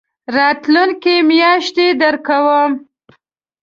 راتلونکې میاشت يي درکوم